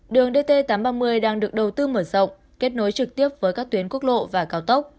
đường dt tám trăm ba mươi đang được đầu tư mở rộng kết nối trực tiếp với các tuyến quốc lộ và cao tốc